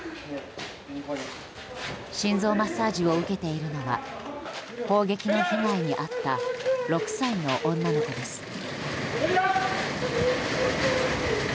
心臓マッサージを受けているのは砲撃の被害に遭った６歳の女の子です。